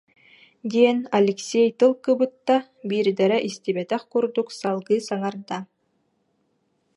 диэн Алексей тыл кыбытта, биирдэрэ истибэтэх курдук салгыы саҥарда: